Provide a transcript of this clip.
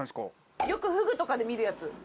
よくフグとかで見るやつ。